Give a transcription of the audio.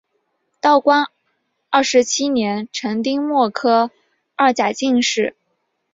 道光二十七年成丁未科二甲进士。